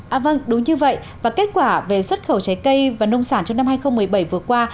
à vâng đúng như vậy và kết quả về xuất khẩu trái cây và nông sản trong năm hai nghìn một mươi bảy vừa qua